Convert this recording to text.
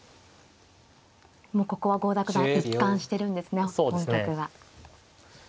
もうここは郷田九段一貫してるんですね本局は。